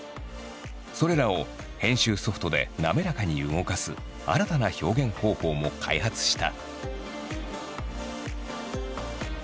それらを編集ソフトで滑らかに動かす新たな表現方法も開発した。